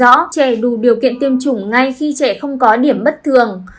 rõ trẻ đủ điều kiện tiêm chủng ngay khi trẻ không có điểm bất thường